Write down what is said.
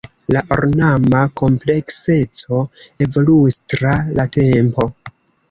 La ornama komplekseco evoluis tra la tempo.